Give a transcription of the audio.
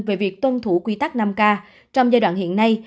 về việc tuân thủ quy tắc năm k trong giai đoạn hiện nay